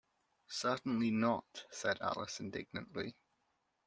‘Certainly not!’ said Alice indignantly.